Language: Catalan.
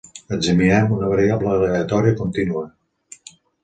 Examinem una variable aleatòria continua.